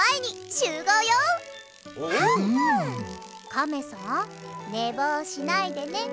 カメさんねぼうしないでね。